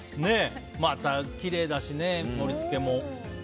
また、きれいだしね盛り付けも。